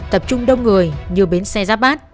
tập trung đông người như bến xe giáp bát